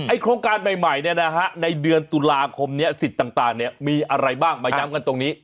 โครงการใหม่เนี่ยนะฮะในเดือนตุลาคมนี้สิทธิ์ต่างเนี่ยมีอะไรบ้างมาย้ำกันตรงนี้